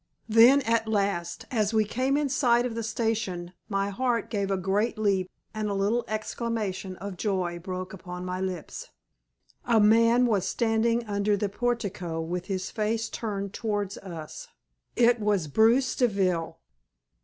Then, at last, as we came in sight of the station, my heart gave a great leap, and a little exclamation of joy broke upon my lips. A man was standing under the portico with his face turned towards us. It was Bruce Deville.